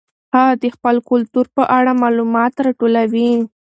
هغه د خپل کلتور په اړه معلومات راټولوي.